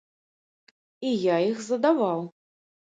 І я іх задаваў.